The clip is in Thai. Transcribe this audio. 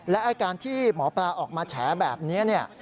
และอาการที่หมอปลาออกมาแฉแบบนี้